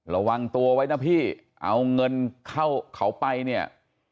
ระวังตัวไว้นะพี่เอาเงินเข้าเขาไปเนี่ย